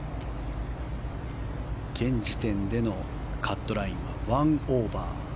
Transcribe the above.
現時点でのカットラインは１オーバー。